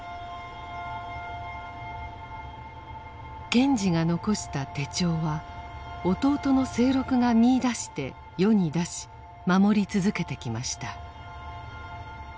賢治が残した手帳は弟の清六が見いだして世に出し守り続けてきました。